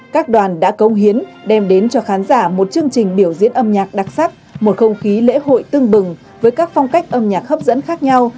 các đoàn đã công hiến đem đến cho khán giả một chương trình biểu diễn âm nhạc đặc sắc một không khí lễ hội tưng bừng với các phong cách âm nhạc hấp dẫn khác nhau